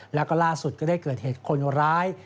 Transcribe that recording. แล้วก็ล่าสุดก็ได้เกิดเหตุคนร้าย